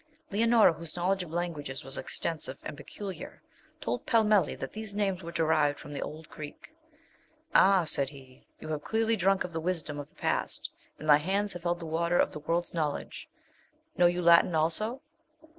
Leonora, whose knowledge of languages was extensive and peculiar, told Pellmelli that these names were derived from the old Greek. 'Ah,' said he, 'you have clearly drunk of the wisdom of the past, and thy hands have held the water of the world's knowledge. Know you Latin also?'